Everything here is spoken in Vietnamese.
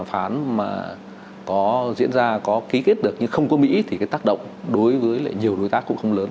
phán mà có diễn ra có ký kết được nhưng không có mỹ thì cái tác động đối với lại nhiều đối tác cũng không lớn